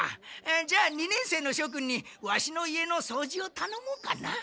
じゃあ二年生の諸君にワシの家のそうじをたのもうかな。